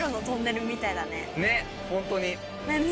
ねっホントに。